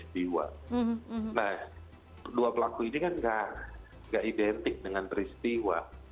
nah dua pelaku ini kan nggak identik dengan peristiwa